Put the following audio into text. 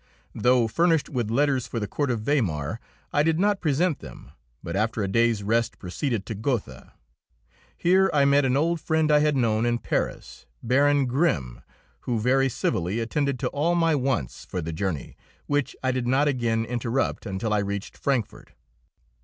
Though furnished with letters for the court at Weimar, I did not present them, but after a day's rest proceeded to Gotha. Here I met an old friend I had known in Paris, Baron Grimm, who very civilly attended to all my wants for the journey, which I did not again interrupt until I reached Frankfort.